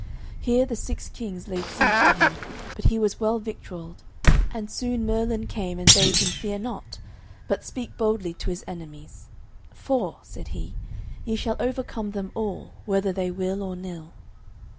Here the six kings laid siege to him, but he was well victualled; and soon Merlin came and bade him fear not, but speak boldly to his enemies, "for," said he, "ye shall overcome them all, whether they will or nill."